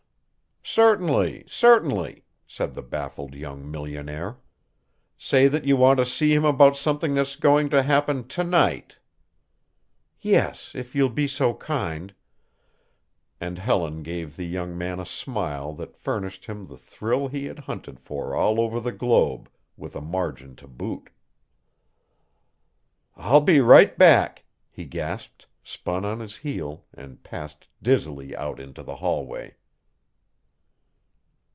"Certainly, certainly," said the baffled young millionaire. "Say that you want to see him about something that's going to happen to night" "Yes, if you'll be so kind," and Helen gave the young man a smile that furnished him the thrill he had hunted for all over the globe, with a margin to boot. "I'll be right back," he gasped, spun on his heel and passed dizzily out into the hallway.